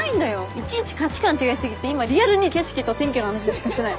いちいち価値観違い過ぎて今リアルに景色と天気の話しかしてない。